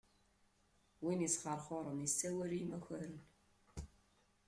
Win isxeṛxuṛen, yessawal i imakaren.